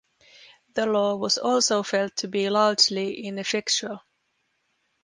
The law was also felt to be largely ineffectual.